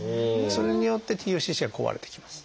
それによってＴＦＣＣは壊れていきます。